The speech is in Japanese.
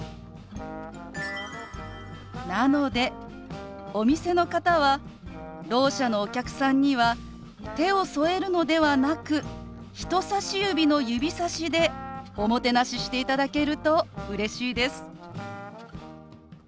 なのでお店の方はろう者のお客さんには手を添えるのではなく人さし指の指さしでおもてなししていただけるとうれしいです。